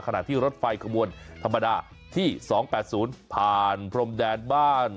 ขณะที่รถไฟขบวนธรรมดาที่๒๘๐ผ่านพรมแดนบ้าน